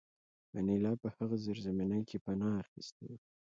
انیلا په هغه زیرزمینۍ کې پناه اخیستې وه